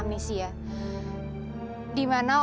dimana orang lainnya tidak bisa mengingatnya